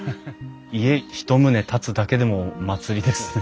家一棟建つだけでも祭りですね。